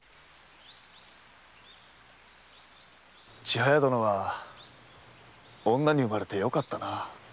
千早殿は女に生まれてよかったな。